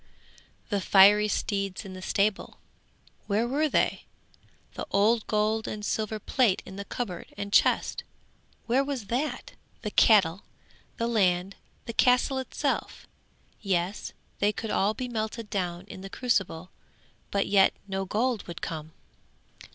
'The fiery steeds in the stable, where were they? The old gold and silver plate in cupboard and chest, where was that? The cattle, the land, the castle itself? Yes, they could all be melted down in the crucible, but yet no gold would come.